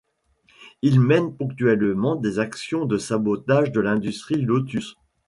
Ils mênent ponctuellement des actions de sabotage de l'industrie du lotus.